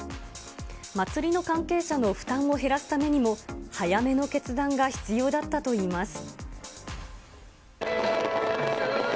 祭りの関係者の負担を減らすためにも、早めの決断が必要だったといいます。